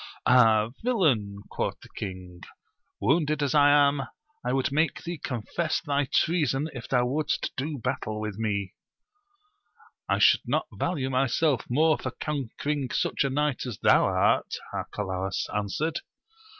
Ah, villain, quoth the king, wounded as I am, I would make thee confess thy treason if thou wouldst do battle with me I I should not value myself more for conquering such a knight as thou art, Arcalaus answered.